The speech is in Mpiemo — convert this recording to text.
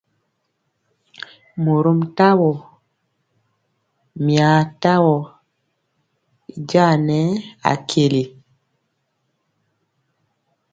Mɔrom tawo, mia tamɔ y jaŋa nɛɛ akweli.